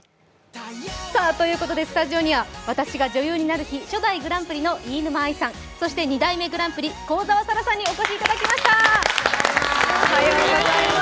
スタジオには『私が女優になる日＿』初代グランプリの飯沼愛さん、そして２代目グランプリ幸澤沙良さんにお越しいただきました。